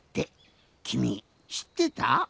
きみしってた？